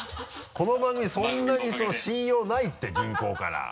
この番組そんなに信用ないって銀行から。